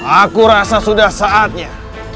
aku rasa sudah saatnya